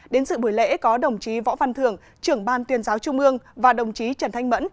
đến sự buổi lễ có đồng chí võ văn thưởng trưởng ban tuyên giáo trung ương và đồng chí trần thanh mẫn